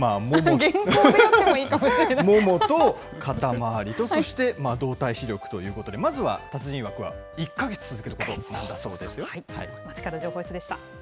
ももと肩回りとそして動体視力ということで、まずは達人いわくは１か月続けることなんだそうです。